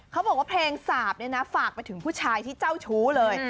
เขาบอกว่าเพลงสาบเนี่ยนะฝากไปถึงผู้ชายที่เจ้าชู้เลย